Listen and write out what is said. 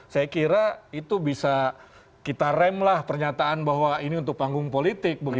saya kira itu bisa kita rem lah pernyataan bahwa ini untuk panggung politik